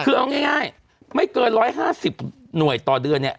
คือเอาง่ายไม่เกิน๑๕๐หน่วยต่อเดือนเนี่ย